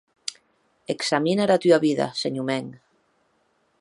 Examina era tua vida, senhor mèn.